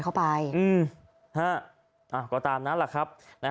คุณผู้ชมไปฟังเสียงพร้อมกัน